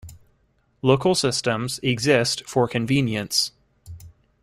Local systems exist for convenience.